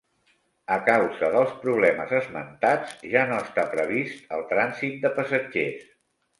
A causa dels problemes esmentats, ja no està previst el trànsit de passatgers.